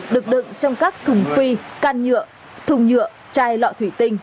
được đựng trong các thùng phi can nhựa thùng nhựa chai lọ thủy tinh